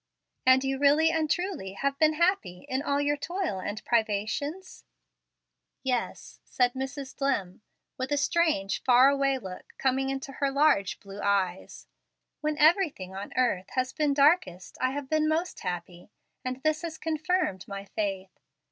"And you really and truly have been happy in all your toil and privations?" "Yes," said Mrs Dlimm, with a strange, far away look coming into her large blue eyes; "when everything on earth has been darkest I have been most happy, and this has confirmed my faith.